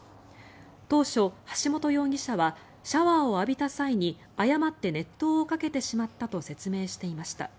当初、橋本容疑者はシャワーを浴びた際に誤って熱湯をかけてしまったと説明していました。